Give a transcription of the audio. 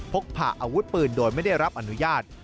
กผ่าอาวุธปืนโดยไม่ได้รับอนุญาต